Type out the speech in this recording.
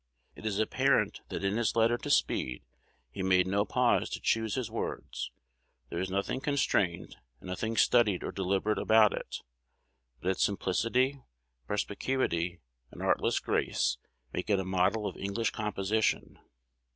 It is apparent that in his letter to Speed he made no pause to choose his words: there is nothing constrained, and nothing studied or deliberate about it; but its simplicity, perspicuity, and artless grace make it a model of English composition.